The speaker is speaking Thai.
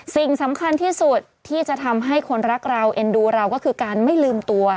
สิ่งสำคัญที่สุดที่จะทำให้คนรักเราเอ็นดูเราก็คือการไม่ลืมตัว